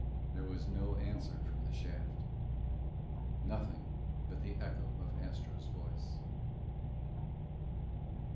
There was no answer from the shaft. Nothing but the echo of Astro's voice.